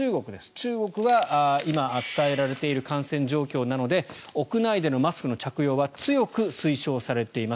中国は今伝えられている感染状況なので屋内でのマスクの着用は強く推奨されています。